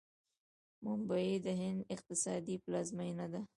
ممبۍ د هند اقتصادي پلازمینه ده.